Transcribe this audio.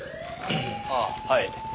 ああはい。